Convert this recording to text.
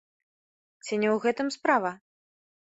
Ці не ў гэтым справа?